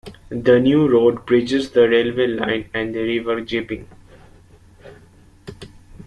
The new road bridges the railway line and the River Gipping.